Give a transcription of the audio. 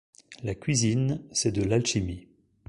La cuisine, c’est de l’alchimie.